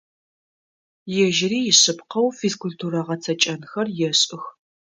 Ежьыри ишъыпкъэу физкультурэ гъэцэкӀэнхэр ешӀых.